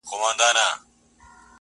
د سترگو توري په کي به دي ياده لرم.